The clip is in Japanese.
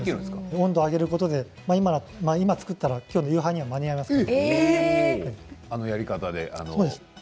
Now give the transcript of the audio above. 温度を上げることで今、作ったらきょうの夕飯にはあのやり方で。